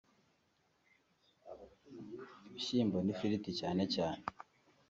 ibishyimbo n’ifiriti cyane cyane